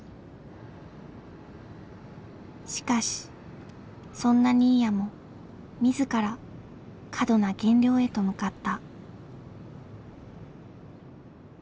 しかしそんな新谷も自ら過度な減量へと向かった。